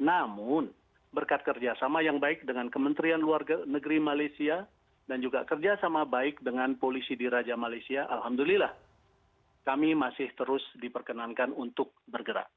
namun berkat kerjasama yang baik dengan kementerian luar negeri malaysia dan juga kerjasama baik dengan polisi di raja malaysia alhamdulillah kami masih terus diperkenankan untuk bergerak